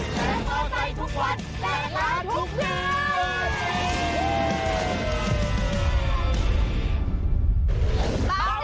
และโทรไตทุกคนและล้านทุกคน